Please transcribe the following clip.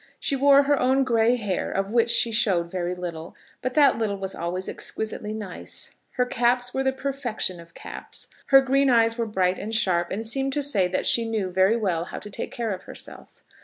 She wore her own grey hair of which she showed very little, but that little was always exquisitely nice. Her caps were the perfection of caps. Her green eyes were bright and sharp, and seemed to say that she knew very well how to take care of herself.